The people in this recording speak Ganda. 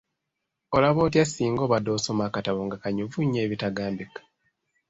Olaba otya singa obadde osoma akatabo nga kanyuvu nnyo ebitagambika.